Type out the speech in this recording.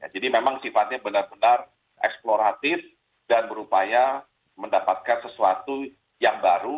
jadi memang sifatnya benar benar eksploratif dan berupaya mendapatkan sesuatu yang baru